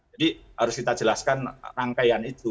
jadi harus kita jelaskan rangkaian itu